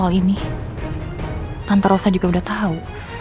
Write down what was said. hal ini tante rosa juga udah tahu